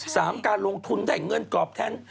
การลงทุนได้เงินกรอบแทน